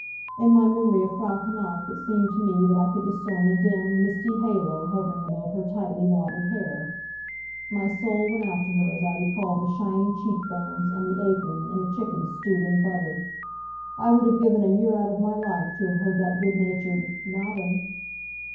In my memory of Frau Knapf it seemed to me that I could discern a dim, misty halo hovering above her tightly wadded hair. My soul went out to her as I recalled the shining cheek bones, and the apron, and the chickens stewed in butter. I would have given a year out of my life to have heard that good natured, "Nabben'."